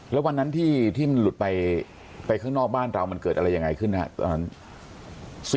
แล้ววันนั้นที่มันหลุดไปข้างนอกบ้านเรามันเกิดอะไรยังไงขึ้นครับตอนนั้น